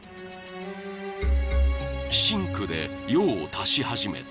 ［シンクで用を足し始めた］